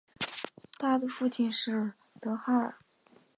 她的父亲是德哈尔。